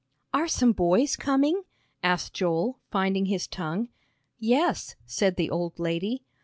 "Are some boys coming?" asked Joel, finding his tongue. "Yes," said the old lady.